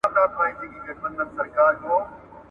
راتلونکی مو په خپلو لاسونو جوړ کړئ.